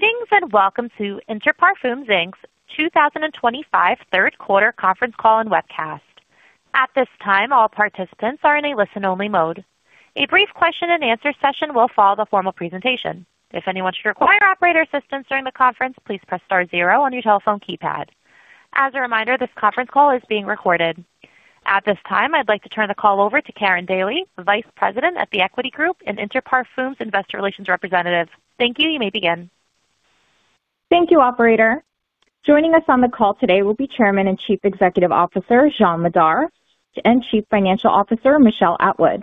Greetings and welcome to Interparfums' 2025 third-quarter conference call and webcast. At this time, all participants are in a listen-only mode. A brief question-and-answer session will follow the formal presentation. If anyone should require operator assistance during the conference, please press star zero on your telephone keypad. As a reminder, this conference call is being recorded. At this time, I'd like to turn the call over to Karin Daly, Vice President at The Equity Group and Interparfums Investor Relations Representative. Thank you. You may begin. Thank you, Operator. Joining us on the call today will be Chairman and Chief Executive Officer Jean Madar and Chief Financial Officer Michelle Atwood.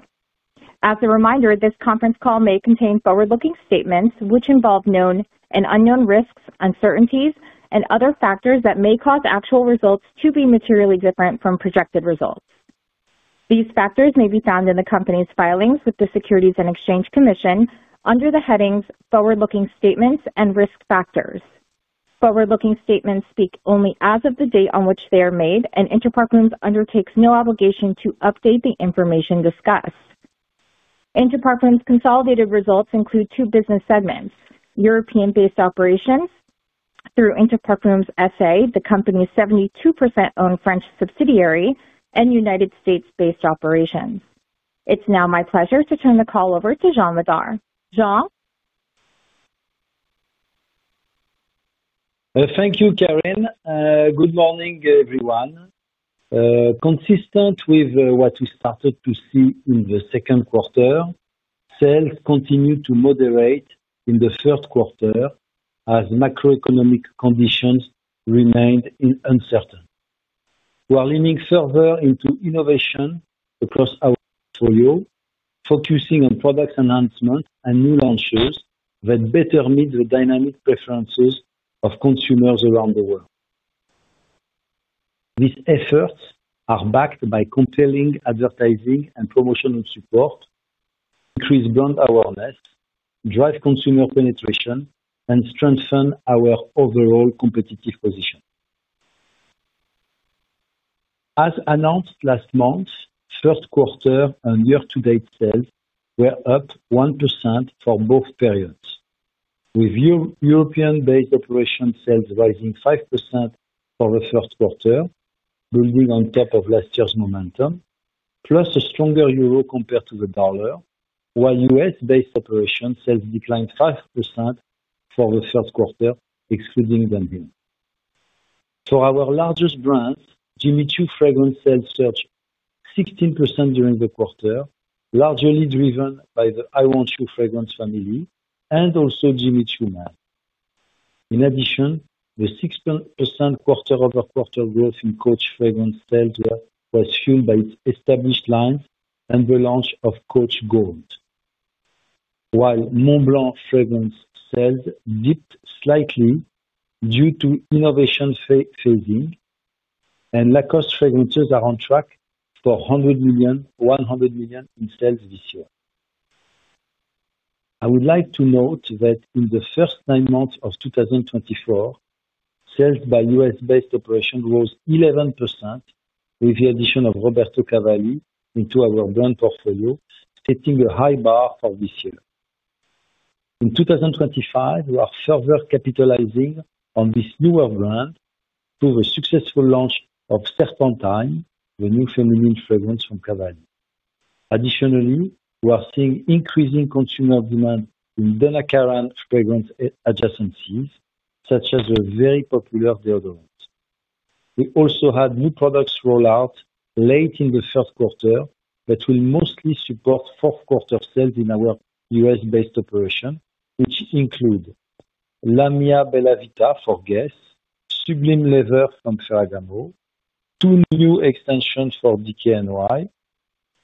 As a reminder, this conference call may contain forward-looking statements which involve known and unknown risks, uncertainties, and other factors that may cause actual results to be materially different from projected results. These factors may be found in the company's filings with the Securities and Exchange Commission under the headings forward-looking statements and risk factors. Forward-looking statements speak only as of the date on which they are made, and Interparfums undertakes no obligation to update the information discussed. Interparfums' consolidated results include two business segments: European-based operations through Interparfums SA, the company's 72%-owned French subsidiary, and United States-based operations. It's now my pleasure to turn the call over to Jean Madar. Jean? Thank you, Karin. Good morning, everyone. Consistent with what we started to see in the second quarter, sales continued to moderate in the third quarter as macroeconomic conditions remained uncertain. We are leaning further into innovation across our portfolio, focusing on product enhancements and new launches that better meet the dynamic preferences of consumers around the world. These efforts are backed by compelling advertising and promotional support to increase brand awareness, drive consumer penetration, and strengthen our overall competitive position. As announced last month, first quarter and year-to-date sales were up 1% for both periods, with European-based operations sales rising 5% for the first quarter, building on top of last year's momentum, plus a stronger euro compared to the dollar, while U.S.-based operations sales declined 5% for the first quarter, excluding Dunhill. For our largest brands, Jimmy Choo fragrance sales surged 16% during the quarter, largely driven by the "I Want Choo" fragrance family and also Jimmy Choo Man. In addition, the 6% quarter-over-quarter growth in Coach fragrance sales was fueled by its established line and the launch of Coach Gold. Montblanc fragrance sales dipped slightly due to innovation phasing. Lacoste fragrances are on track for $100 million in sales this year. I would like to note that in the first nine months of 2024, sales by U.S.-based operations rose 11%. With the addition of Roberto Cavalli into our brand portfolio, setting a high bar for this year. In 2025, we are further capitalizing on this newer brand through a successful launch of Serpentine, the new feminine fragrance from Cavalli. Additionally, we are seeing increasing consumer demand in Donna Karan fragrance adjacencies, such as the very popular deodorant. MWe also had new products roll out late in the first quarter that will mostly support fourth-quarter sales in our U.S.-based operation, which include La Mia Bella Vita for GUESS, Sublime Leather from Ferragamo, two new extensions for DKNY,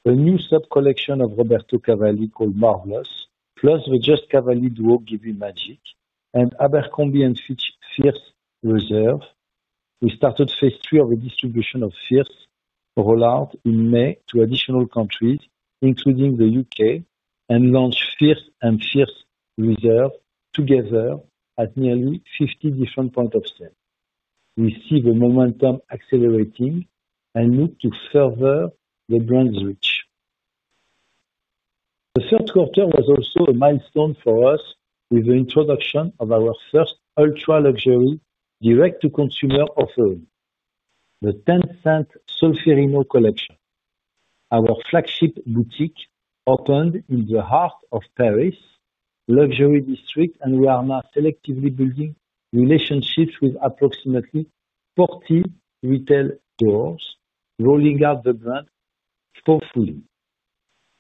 a new sub-collection of Roberto Cavalli called Marbleou, plus the Just Cavalli Duo Give Me Magic, and Abercrombie & Fitch Fierce Reserve. We started phase three of the distribution of Fierce roll out in May to additional countries, including the U.K., and launched Fierce and Fierce Reserve together at nearly 50 different points of sale. We see the momentum accelerating and need to further the brand's reach. The third quarter was also a milestone for us with the introduction of our first ultra-luxury direct-to-consumer offering, the 10 Cents Solférino Collection. Our flagship boutique opened in the heart of Paris, luxury district, and we are now selectively building relationships with approximately 40 retail stores, rolling out the brand forthfully.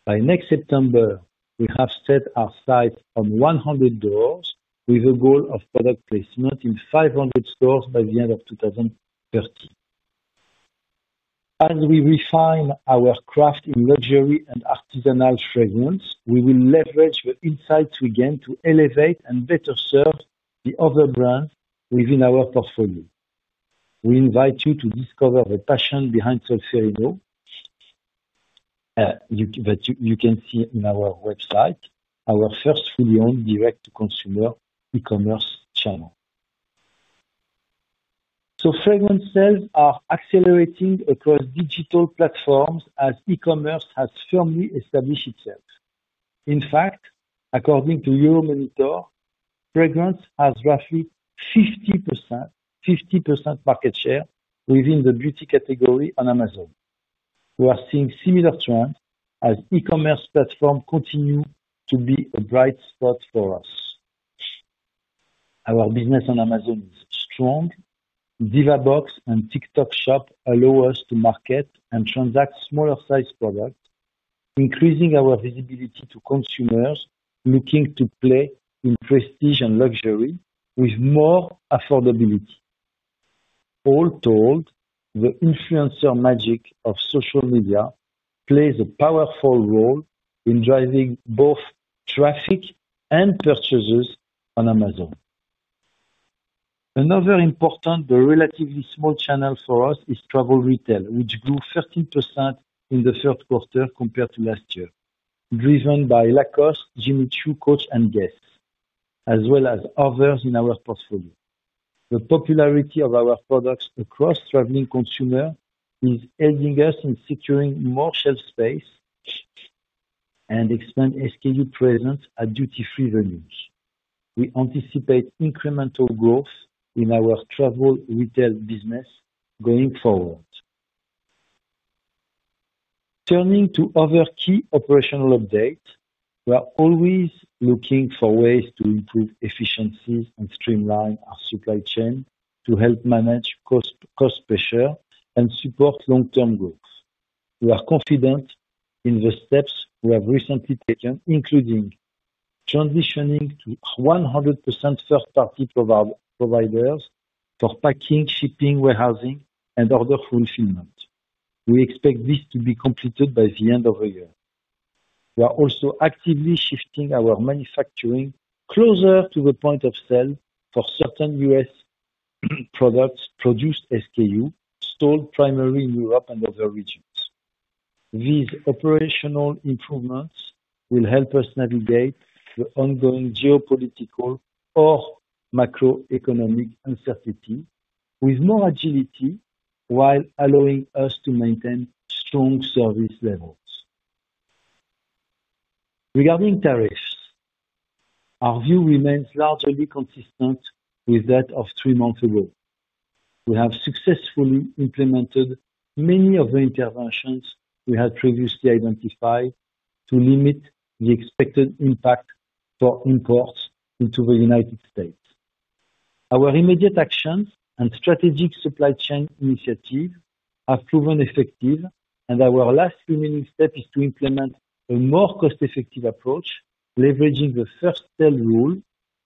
By next September, we have set our sights on 100 doors, with a goal of product placement in 500 stores by the end of 2030. As we refine our craft in luxury and artisanal fragrance, we will leverage the insights we gain to elevate and better serve the other brands within our portfolio. We invite you to discover the passion behind Solférino. That you can see in our website, our first fully-owned direct-to-consumer e-commerce channel. Fragrance sales are accelerating across digital platforms as e-commerce has firmly established itself. In fact, according to Euromonitor, fragrance has roughly 50% market share within the beauty category on Amazon. We are seeing similar trends as e-commerce platforms continue to be a bright spot for us. Our business on Amazon is strong. Divabox and TikTok Shop allow us to market and transact smaller-sized products, increasing our visibility to consumers looking to play in prestige and luxury with more affordability. All told, the influencer magic of social media plays a powerful role in driving both traffic and purchases on Amazon. Another important, but relatively small channel for us is travel retail, which grew 13% in the third quarter compared to last year, driven by Lacoste, Jimmy Choo, Coach, and GUESS, as well as others in our portfolio. The popularity of our products across traveling consumers is helping us in securing more shelf space and expand SKU presence at duty-free venues. We anticipate incremental growth in our travel retail business going forward. Turning to other key operational updates, we are always looking for ways to improve efficiencies and streamline our supply chain to help manage cost pressure and support long-term growth. We are confident in the steps we have recently taken, including transitioning to 100% first-party providers for packing, shipping, warehousing, and order fulfillment. We expect this to be completed by the end of the year. We are also actively shifting our manufacturing closer to the point of sale for certain U.S. products produced SKU, sold primarily in Europe and other regions. These operational improvements will help us navigate the ongoing geopolitical or macroeconomic uncertainty with more agility while allowing us to maintain strong service levels. Regarding tariffs, our view remains largely consistent with that of three months ago. We have successfully implemented many of the interventions we had previously identified to limit the expected impact for imports into the United States. Our immediate actions and strategic supply chain initiatives have proven effective, and our last remaining step is to implement a more cost-effective approach, leveraging the first sale rule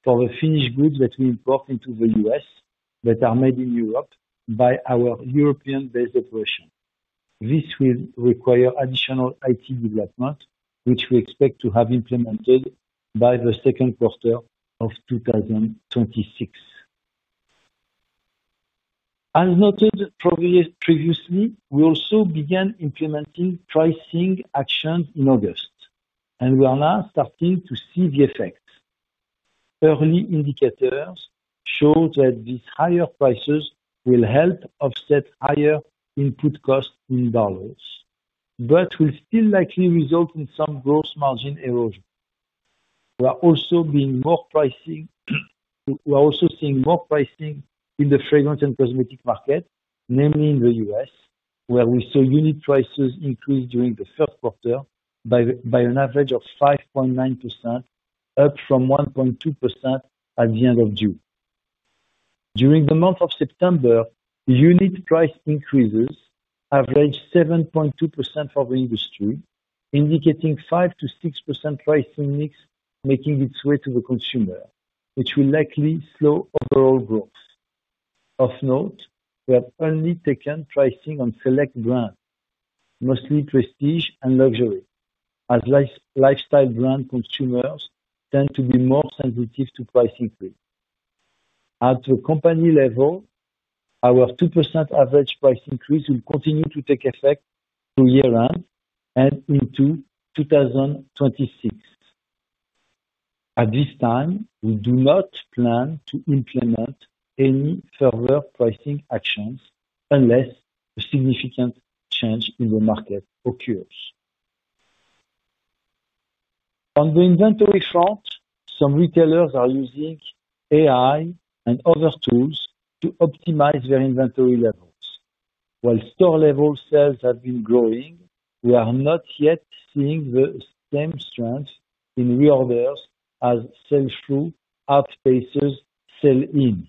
for the finished goods that we import into the U.S. that are made in Europe by our European-based operation. This will require additional IT development, which we expect to have implemented by the second quarter of 2026. As noted previously, we also began implementing pricing actions in August, and we are now starting to see the effects. Early indicators show that these higher prices will help offset higher input costs in dollars, but will still likely result in some gross margin erosion. We are also seeing more pricing in the fragrance and cosmetic market, namely in the U.S., where we saw unit prices increase during the first quarter by an average of 5.9%, up from 1.2% at the end of June. During the month of September. Unit price increases average 7.2% for the industry, indicating 5%-6% price index making its way to the consumer, which will likely slow overall growth. Of note, we have only taken pricing on select brands, mostly prestige and luxury, as lifestyle brand consumers tend to be more sensitive to price increase. At the company level, our 2% average price increase will continue to take effect through year-end and into 2026. At this time, we do not plan to implement any further pricing actions unless a significant change in the market occurs. On the inventory front, some retailers are using AI and other tools to optimize their inventory levels. While store-level sales have been growing, we are not yet seeing the same strength in reorders as sales through hard places sell in.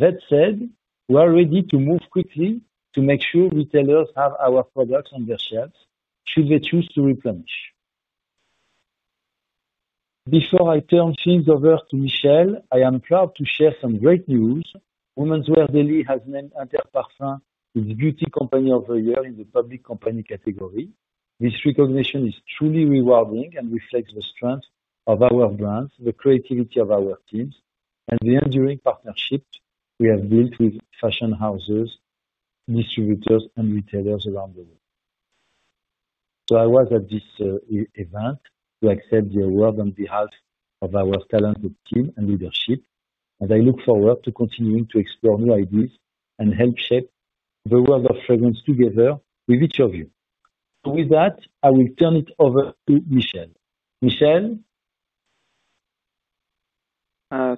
That said, we are ready to move quickly to make sure retailers have our products on their shelves should they choose to replenish. Before I turn things over to Michelle, I am proud to share some great news. Women's Wear Daily has named Interparfums its beauty company of the year in the public company category. This recognition is truly rewarding and reflects the strength of our brands, the creativity of our teams, and the enduring partnerships we have built with fashion houses, distributors, and retailers around the world. I was at this event to accept the award on behalf of our talented team and leadership, and I look forward to continuing to explore new ideas and help shape the world of fragrance together with each of you. With that, I will turn it over to Michelle. Michelle?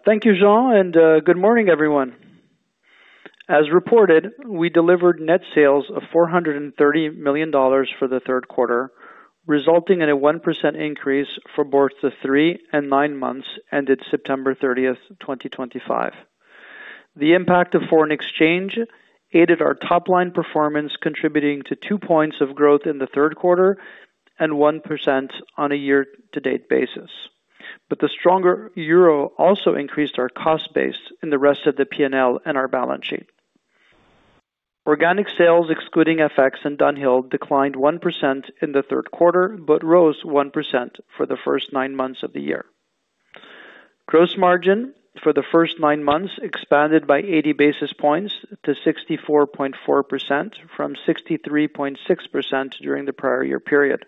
Thank you, Jean, and good morning, everyone. As reported, we delivered net sales of $430 million for the third quarter, resulting in a 1% increase for both the three and nine months ended September 30th, 2025. The impact of foreign exchange aided our top-line performance, contributing to two points of growth in the third quarter and 1% on a year-to-date basis. The stronger euro also increased our cost base in the rest of the P&L and our balance sheet. Organic sales, excluding FX and Dunhill, declined 1% in the third quarter but rose 1% for the first nine months of the year. Gross margin for the first nine months expanded by 80 basis points to 64.4% from 63.6% during the prior year period.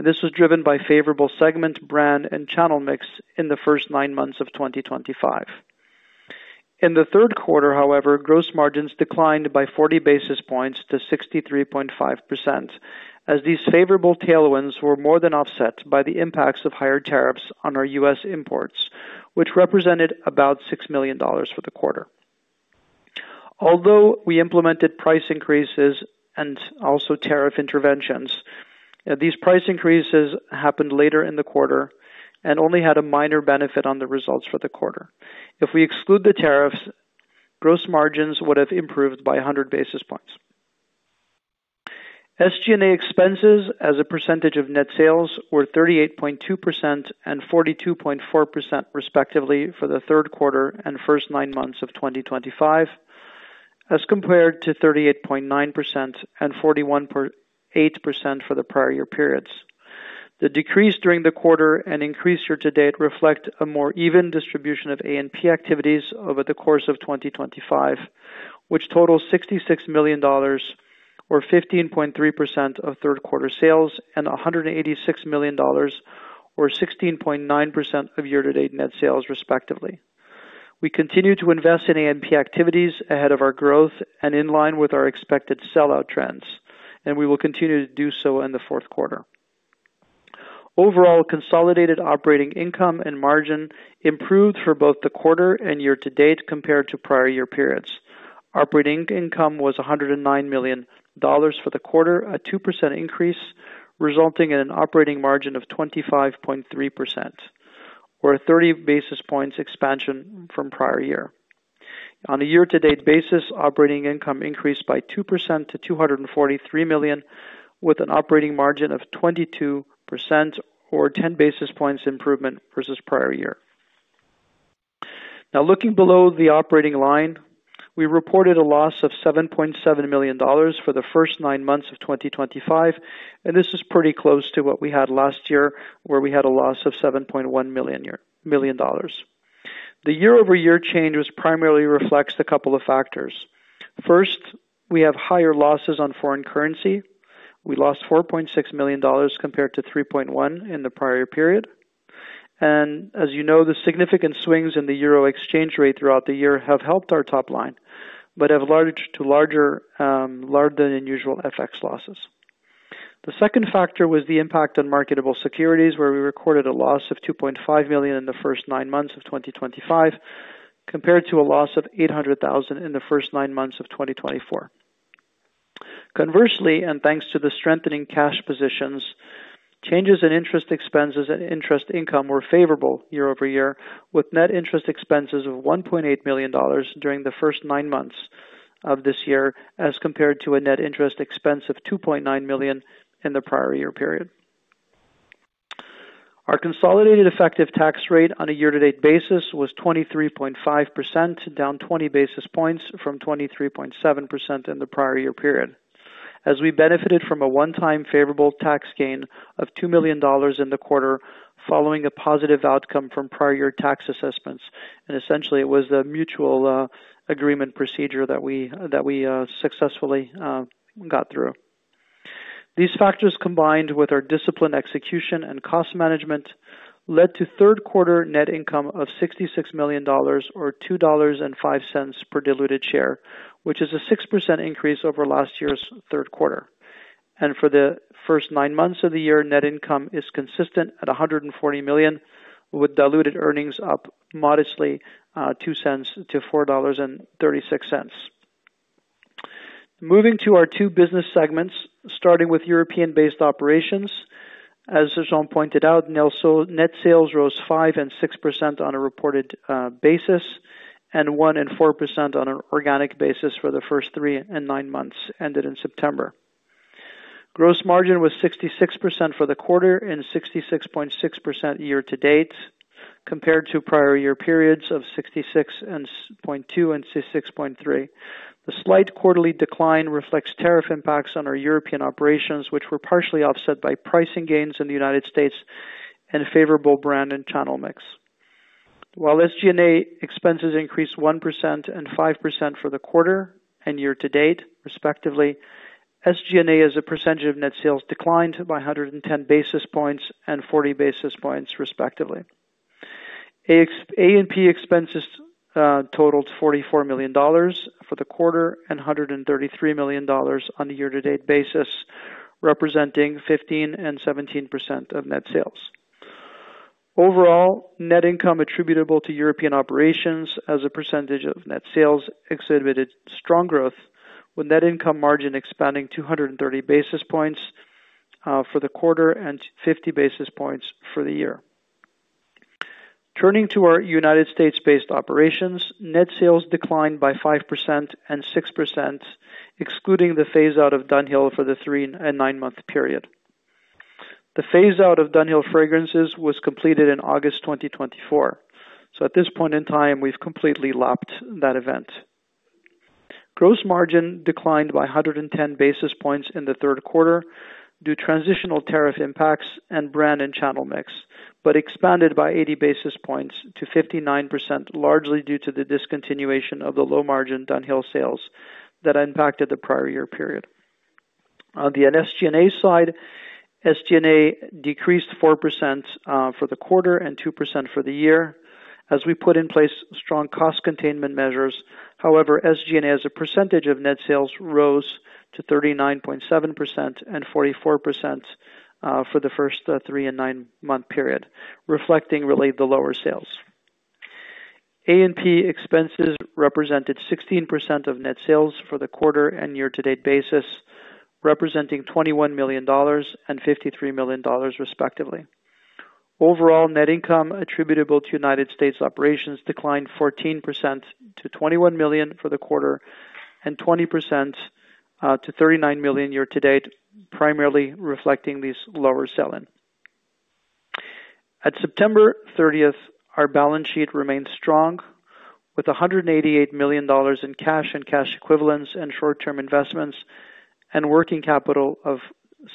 This was driven by favorable segment, brand, and channel mix in the first nine months of 2025. In the third quarter, however, gross margins declined by 40 basis points to 63.5%, as these favorable tailwinds were more than offset by the impacts of higher tariffs on our U.S. imports, which represented about $6 million for the quarter. Although we implemented price increases and also tariff interventions, these price increases happened later in the quarter and only had a minor benefit on the results for the quarter. If we exclude the tariffs, gross margins would have improved by 100 basis points. SG&A expenses, as a percentage of net sales, were 38.2% and 42.4%, respectively, for the third quarter and first nine months of 2025, as compared to 38.9% and 41.8% for the prior year periods. The decrease during the quarter and increase year-to-date reflect a more even distribution of A&P activities over the course of 2025, which totaled $66 million, or 15.3% of third-quarter sales and $186 million. Or 16.9% of year-to-date net sales, respectively. We continue to invest in A&P activities ahead of our growth and in line with our expected sell-out trends, and we will continue to do so in the fourth quarter. Overall, consolidated operating income and margin improved for both the quarter and year-to-date compared to prior year periods. Operating income was $109 million for the quarter, a 2% increase, resulting in an operating margin of 25.3%, or 30 basis points expansion from prior year. On a year-to-date basis, operating income increased by 2% to $243 million, with an operating margin of 22% or 10 basis points improvement versus prior year. Now, looking below the operating line, we reported a loss of $7.7 million for the first nine months of 2025, and this is pretty close to what we had last year, where we had a loss of $7.1 million. The year-over-year change primarily reflects a couple of factors. First, we have higher losses on foreign currency. We lost $4.6 million compared to $3.1 million in the prior period. As you know, the significant swings in the euro exchange rate throughout the year have helped our top line but have led to larger than usual FX losses. The second factor was the impact on marketable securities, where we recorded a loss of $2.5 million in the first nine months of 2025 compared to a loss of $800,000 in the first nine months of 2024. Conversely, and thanks to the strengthening cash positions, changes in interest expenses and interest income were favorable year-over-year, with net interest expenses of $1.8 million during the first nine months of this year as compared to a net interest expense of $2.9 million in the prior year period. Our consolidated effective tax rate on a year-to-date basis was 23.5%, down 20 basis points from 23.7% in the prior year period, as we benefited from a one-time favorable tax gain of $2 million in the quarter following a positive outcome from prior year tax assessments. Essentially, it was the mutual agreement procedure that we successfully got through. These factors, combined with our disciplined execution and cost management, led to third-quarter net income of $66 million, or $2.05 per diluted share, which is a 6% increase over last year's third quarter. For the first nine months of the year, net income is consistent at $140 million, with diluted earnings up modestly $0.02-$4.36. Moving to our two business segments, starting with European-based operations, as Jean pointed out, net sales rose 5% and 6% on a reported basis and 1% and 4% on an organic basis for the first three and nine months ended in September. Gross margin was 66% for the quarter and 66.6% year-to-date compared to prior year periods of 66.2% and 66.3%. The slight quarterly decline reflects tariff impacts on our European operations, which were partially offset by pricing gains in the United States and favorable brand and channel mix. While SG&A expenses increased 1% and 5% for the quarter and year-to-date, respectively, SG&A as a percentage of net sales declined by 110 basis points and 40 basis points, respectively. A&P expenses totaled $44 million for the quarter and $133 million on a year-to-date basis, representing 15% and 17% of net sales. Overall, net income attributable to European operations as a percentage of net sales exhibited strong growth, with net income margin expanding 230 basis points for the quarter and 50 basis points for the year. Turning to our U.S.-based operations, net sales declined by 5% and 6%, excluding the phase-out of Dunhill for the three and nine-month period. The phase-out of Dunhill fragrances was completed in August 2024. At this point in time, we've completely lapped that event. Gross margin declined by 110 basis points in the third quarter due to transitional tariff impacts and brand and channel mix, but expanded by 80 basis points to 59%, largely due to the discontinuation of the low-margin Dunhill sales that impacted the prior year period. On the SG&A side, SG&A decreased 4% for the quarter and 2% for the year as we put in place strong cost containment measures. However, SG&A as a percentage of net sales rose to 39.7% and 44% for the first three and nine-month period, reflecting related to the lower sales. A&P expenses represented 16% of net sales for the quarter and year-to-date basis, representing $21 million and $53 million, respectively. Overall, net income attributable to United States operations declined 14% to $21 million for the quarter and 20% to $39 million year-to-date, primarily reflecting these lower sell-in. At September 30th, our balance sheet remained strong with $188 million in cash and cash equivalents and short-term investments and working capital of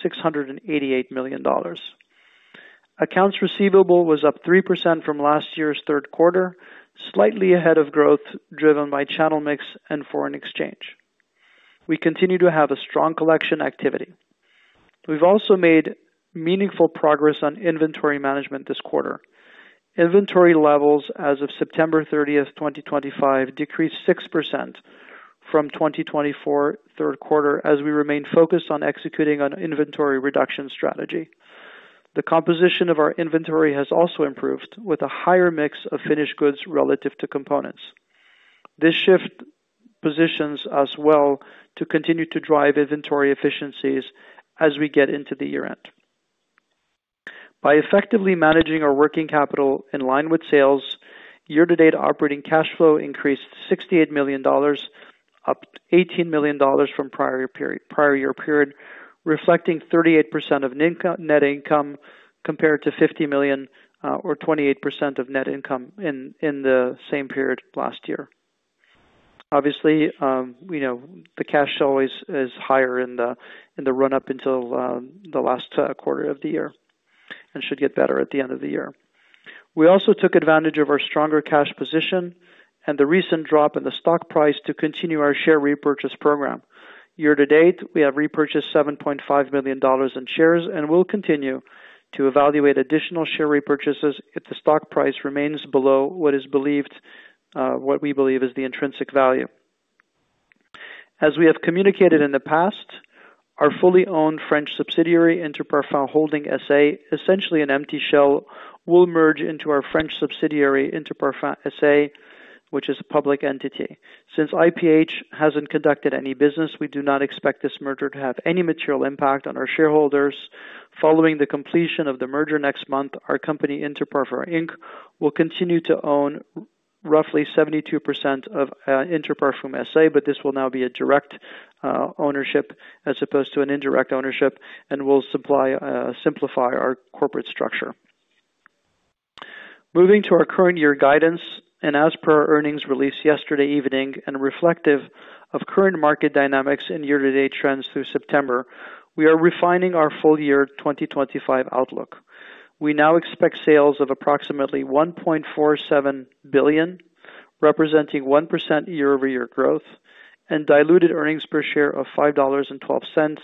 $688 million. Accounts receivable was up 3% from last year's third quarter, slightly ahead of growth driven by channel mix and foreign exchange. We continue to have a strong collection activity. We've also made meaningful progress on inventory management this quarter. Inventory levels as of September 30th, 2025, decreased 6% from 2024 third quarter as we remained focused on executing an inventory reduction strategy. The composition of our inventory has also improved with a higher mix of finished goods relative to components. This shift positions us well to continue to drive inventory efficiencies as we get into the year-end. By effectively managing our working capital in line with sales, year-to-date operating cash flow increased $68 million. Up $18 million from prior year period, reflecting 38% of net income compared to $50 million or 28% of net income in the same period last year. Obviously, the cash always is higher in the run-up until the last quarter of the year and should get better at the end of the year. We also took advantage of our stronger cash position and the recent drop in the stock price to continue our share repurchase program. Year-to-date, we have repurchased $7.5 million in shares and will continue to evaluate additional share repurchases if the stock price remains below what we believe is the intrinsic value. As we have communicated in the past, our fully owned French subsidiary, Interparfums Holding SA, essentially an empty shell, will merge into our French subsidiary, Interparfums SA, which is a public entity. Since IPH has not conducted any business, we do not expect this merger to have any material impact on our shareholders. Following the completion of the merger next month, our company, Interparfums, will continue to own roughly 72% of Interparfums SA, but this will now be a direct ownership as opposed to an indirect ownership and will simplify our corporate structure. Moving to our current year guidance and as per our earnings released yesterday evening and reflective of current market dynamics and year-to-date trends through September, we are refining our full year 2025 outlook. We now expect sales of approximately $1.47 billion, representing 1% year-over-year growth, and diluted earnings per share of $5.12,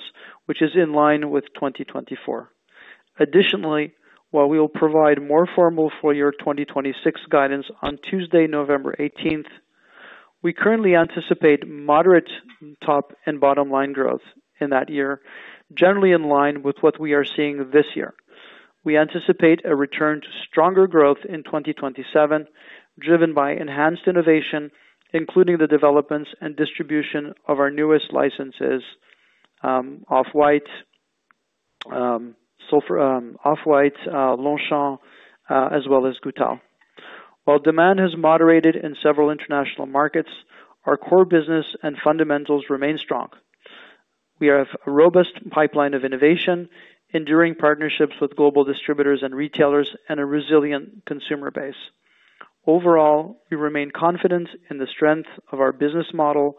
which is in line with 2024. Additionally, while we will provide more formal full year 2026 guidance on Tuesday, November 18th, we currently anticipate moderate top and bottom line growth in that year, generally in line with what we are seeing this year. We anticipate a return to stronger growth in 2027, driven by enhanced innovation, including the developments and distribution of our newest licenses. Off-White, Longchamp, as well as Goutal. While demand has moderated in several international markets, our core business and fundamentals remain strong. We have a robust pipeline of innovation, enduring partnerships with global distributors and retailers, and a resilient consumer base. Overall, we remain confident in the strength of our business model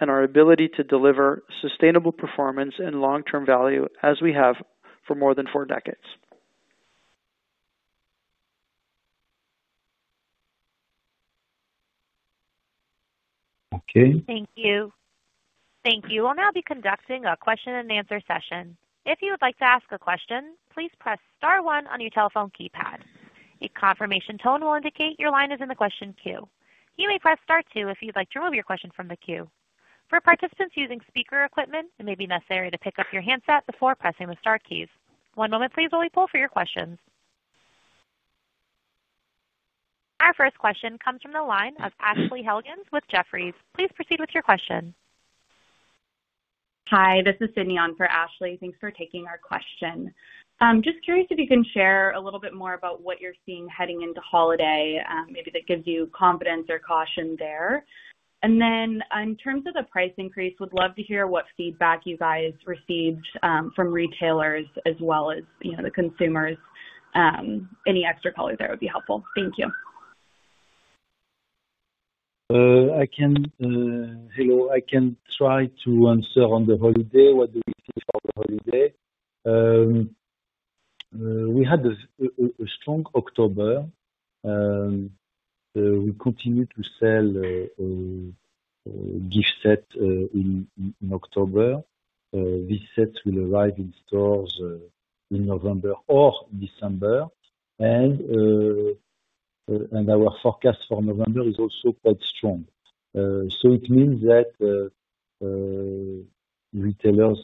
and our ability to deliver sustainable performance and long-term value as we have for more than four decades. Okay. Thank you. Thank you. We'll now be conducting a question-and-answer session. If you would like to ask a question, please press star one on your telephone keypad. A confirmation tone will indicate your line is in the question queue. You may press star two if you'd like to remove your question from the queue. For participants using speaker equipment, it may be necessary to pick up your handset before pressing the star keys. One moment, please, while we pull for your questions. Our first question comes from the line of Ashley Helgans with Jefferies. Please proceed with your question. Hi, this is Sydney on for Ashley. Thanks for taking our question. Just curious if you can share a little bit more about what you're seeing heading into holiday, maybe that gives you confidence or caution there. In terms of the price increase, we'd love to hear what feedback you guys received from retailers as well as the consumers. Any extra color there would be helpful. Thank you. Hello. I can try to answer on the holiday, what do we see for the holiday. We had a strong October. We continue to sell gift sets in October. These sets will arrive in stores in November or December. Our forecast for November is also quite strong. It means that retailers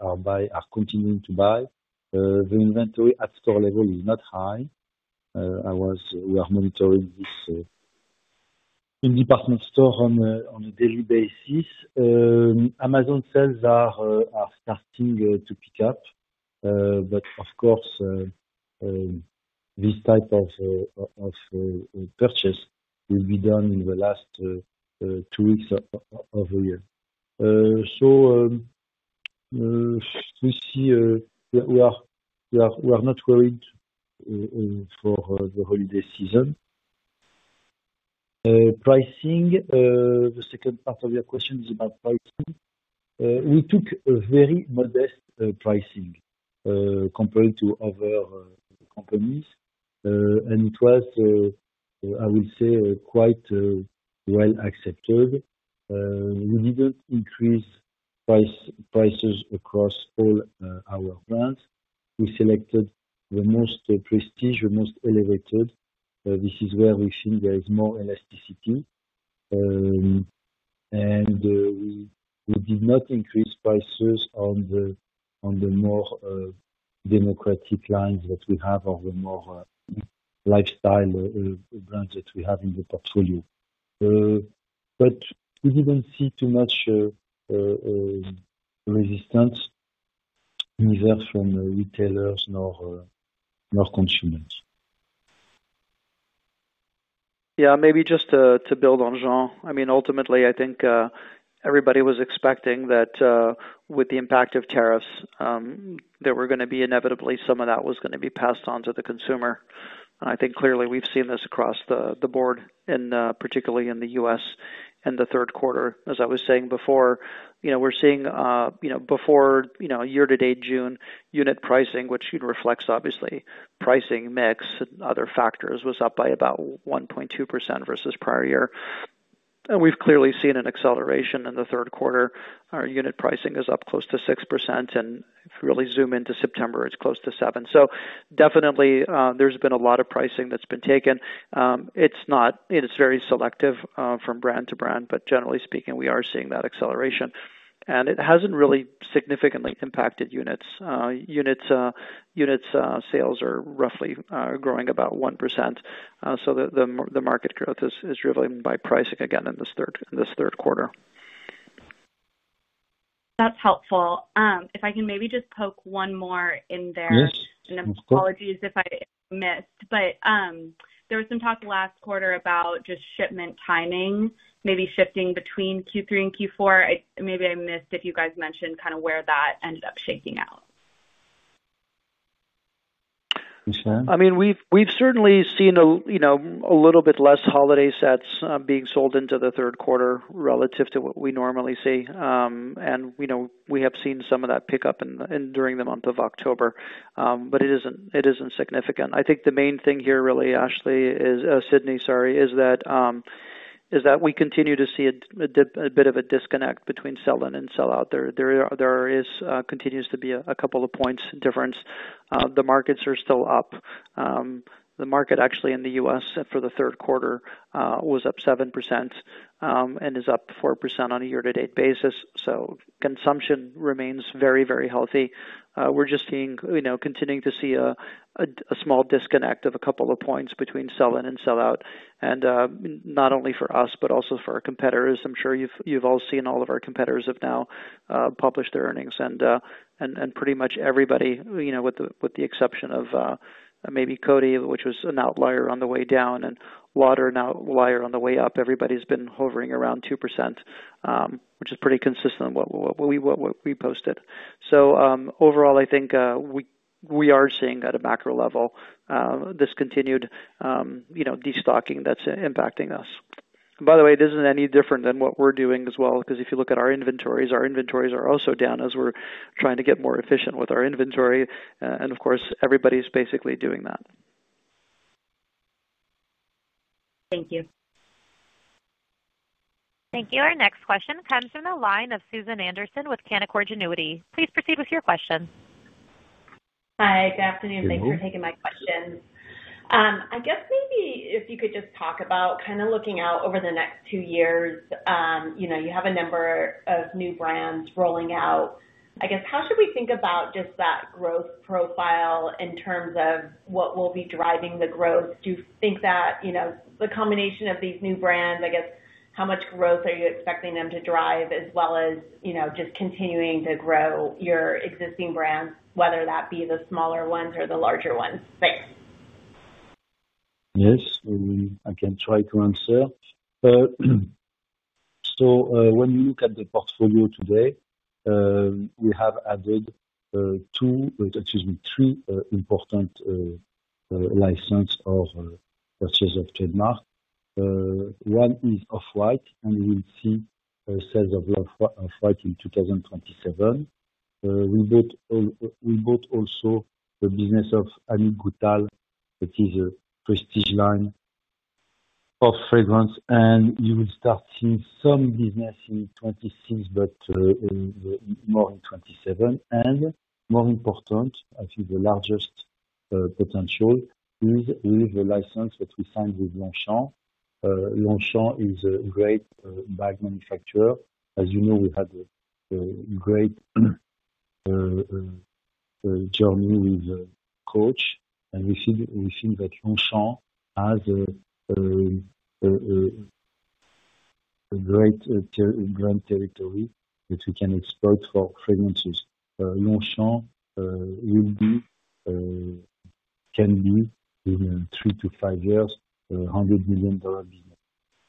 are continuing to buy. The inventory at store level is not high. We are monitoring this in department stores on a daily basis. Amazon sales are starting to pick up. Of course, this type of purchase will be done in the last two weeks of the year. We see that we are not worried for the holiday season. Pricing, the second part of your question is about pricing. We took a very modest pricing compared to other companies. It was, I would say, quite well accepted. We did not increase prices across all our brands. We selected the most prestige, the most elevated. This is where we think there is more elasticity. We did not increase prices on the more democratic lines that we have or the more lifestyle brands that we have in the portfolio. We did not see too much resistance either from retailers or consumers. Yeah, maybe just to build on Jean. I mean, ultimately, I think everybody was expecting that with the impact of tariffs. There were going to be inevitably some of that was going to be passed on to the consumer. I think clearly we've seen this across the board, and particularly in the U.S. in the third quarter. As I was saying before, we're seeing, before year-to-date June, unit pricing, which reflects obviously pricing mix and other factors, was up by about 1.2% versus prior year. We've clearly seen an acceleration in the third quarter. Our unit pricing is up close to 6%. If we really zoom into September, it's close to 7%. Definitely, there's been a lot of pricing that's been taken. It's very selective from brand to brand, but generally speaking, we are seeing that acceleration. It hasn't really significantly impacted units. Sales are roughly growing about 1%. The market growth is driven by pricing again in this third quarter. That's helpful. If I can maybe just poke one more in there. Yes. And apologies if I missed. But there was some talk last quarter about just shipment timing, maybe shifting between Q3 and Q4. Maybe I missed if you guys mentioned kind of where that ended up shaking out. I mean, we've certainly seen a little bit less holiday sets being sold into the third quarter relative to what we normally see. We have seen some of that pick up during the month of October, but it isn't significant. I think the main thing here really, Ashley, is Sydney, sorry, is that we continue to see a bit of a disconnect between sell-in and sell-out. There continues to be a couple of points difference. The markets are still up. The market actually in the U.S. for the third quarter was up 7%. It is up 4% on a year-to-date basis. Consumption remains very, very healthy. We're just continuing to see a small disconnect of a couple of points between sell-in and sell-out. Not only for us, but also for our competitors. I'm sure you've all seen all of our competitors have now published their earnings. Pretty much everybody, with the exception of maybe Coty, which was an outlier on the way down, and Watier, an outlier on the way up, everybody's been hovering around 2%. Which is pretty consistent with what we posted. Overall, I think we are seeing at a macro level this continued destocking that's impacting us. By the way, this isn't any different than what we're doing as well, because if you look at our inventories, our inventories are also down as we're trying to get more efficient with our inventory. Of course, everybody's basically doing that. Thank you. Thank you. Our next question comes from the line of Susan Anderson with Canaccord Genuity. Please proceed with your question. Hi. Good afternoon. Thanks for taking my questions. I guess maybe if you could just talk about kind of looking out over the next two years, you have a number of new brands rolling out. I guess how should we think about just that growth profile in terms of what will be driving the growth? Do you think that the combination of these new brands, I guess, how much growth are you expecting them to drive as well as just continuing to grow your existing brands, whether that be the smaller ones or the larger ones? Thanks. Yes. I can try to answer. So when you look at the portfolio today, we have added two, excuse me, three important license or purchase of trademark. One is Off-White, and we will see sales of Off-White in 2027. We bought also the business of Annick Goutal, which is a prestige line of fragrance. You will start seeing some business in 2026, but more in 2027. More important, I think the largest potential is with the license that we signed with Longchamp. Longchamp is a great bag manufacturer. As you know, we had a great journey with Coach. We think that Longchamp has a great brand territory that we can exploit for fragrances. Longchamp will be, can be, in three to five years, a $100 million business.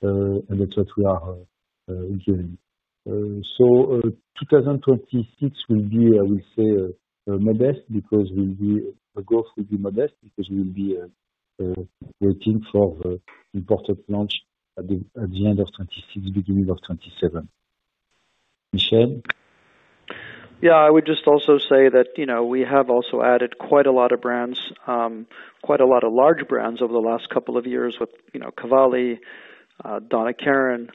That is what we are doing. 2026 will be, I would say, modest because the growth will be modest because we will be waiting for the important launch at the end of 2026, beginning of 2027. Michelle? Yeah. I would just also say that we have also added quite a lot of brands, quite a lot of large brands over the last couple of years with Cavalli, Donna Karan,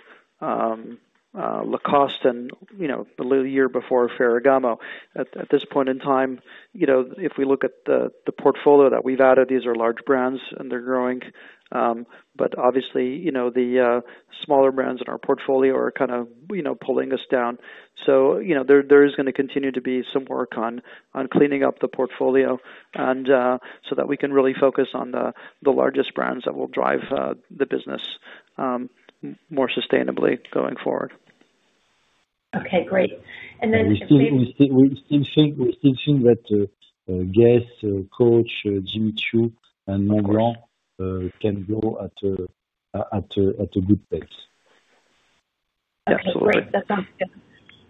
Lacoste, and a little year before, Ferragamo. At this point in time, if we look at the portfolio that we've added, these are large brands, and they're growing. Obviously, the smaller brands in our portfolio are kind of pulling us down. There is going to continue to be some work on cleaning up the portfolio so that we can really focus on the largest brands that will drive the business more sustainably going forward. Okay. Great. I would just add, we still think that GUESS, Coach, Jimmy Choo, and Montblanc can grow at a good pace. Absolutely. That sounds good.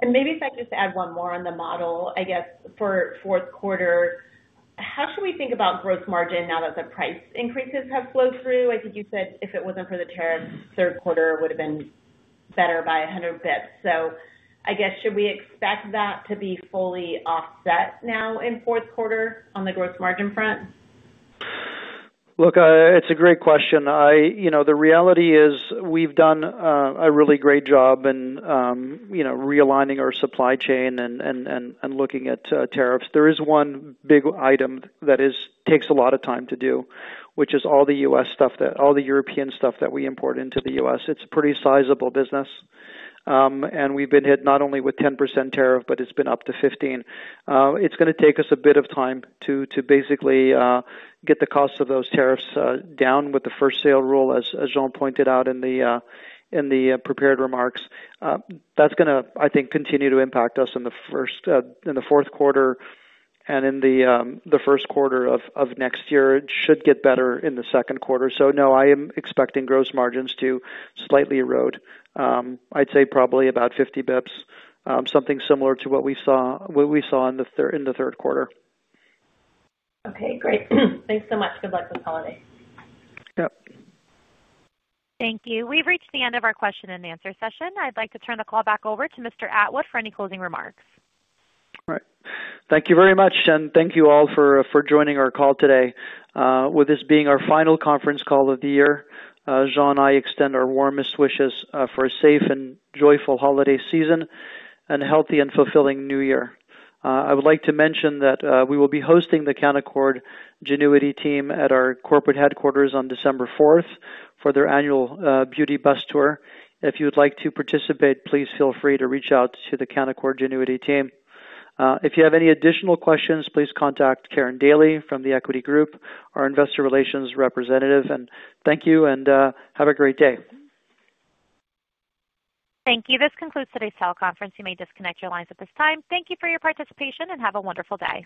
Maybe if I could just add one more on the model, I guess, for fourth quarter, how should we think about gross margin now that the price increases have flowed through? I think you said if it was not for the tariffs, third quarter would have been better by 100 basis points. I guess, should we expect that to be fully offset now in fourth quarter on the gross margin front? Look, it is a great question. The reality is we have done a really great job in realigning our supply chain and looking at tariffs. There is one big item that takes a lot of time to do, which is all the U.S. stuff, all the European stuff that we import into the U.S. It is a pretty sizable business. We have been hit not only with 10% tariff, but it has been up to 15%. It's going to take us a bit of time to basically get the cost of those tariffs down with the first sale rule, as Jean pointed out in the prepared remarks. That's going to, I think, continue to impact us in the fourth quarter and in the first quarter of next year. It should get better in the second quarter. No, I am expecting gross margins to slightly erode. I'd say probably about 50 basis points, something similar to what we saw in the third quarter. Okay. Great. Thanks so much. Good luck this holiday. Yep. Thank you. We've reached the end of our question-and-answer session. I'd like to turn the call back over to Mr. Atwood for any closing remarks. All right. Thank you very much. And thank you all for joining our call today. With this being our final conference call of the year, Jean and I extend our warmest wishes for a safe and joyful holiday season and a healthy and fulfilling New Year. I would like to mention that we will be hosting the Canaccord Genuity team at our corporate headquarters on December 4th for their annual beauty bus tour. If you would like to participate, please feel free to reach out to the Canaccord Genuity team. If you have any additional questions, please contact Karin Daly from The Equity Group, our investor relations representative. Thank you and have a great day. Thank you. This concludes today's teleconference. You may disconnect your lines at this time. Thank you for your participation and have a wonderful day.